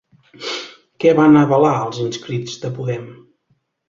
Què van avalar els inscrits de Podem?